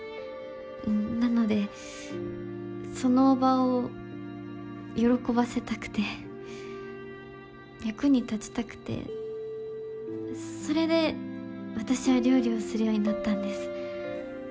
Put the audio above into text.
なのでその叔母を喜ばせたくて役に立ちたくてそれで私は料理をするようになったんです。